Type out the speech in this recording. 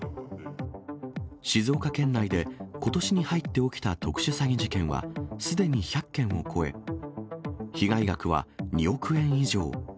静岡県内で、ことしに入って起きた特殊詐欺事件はすでに１００件を超え、被害額は２億円以上。